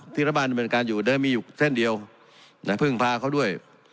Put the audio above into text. พิธรบาลบรรณการอยู่เดิมมีอยู่เส้นเดียวและเพิ่งพาเขาด้วย